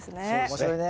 面白いね。